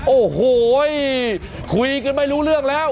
โอ้โหคุยกันไม่รู้เรื่องแล้ว